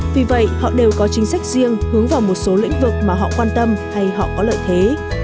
vì vậy họ đều có chính sách riêng hướng vào một số lĩnh vực mà họ quan tâm hay họ có lợi thế